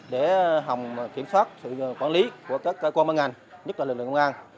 để hòng kiểm soát sự quản lý của các cơ quan ngành nhất là lực lượng công an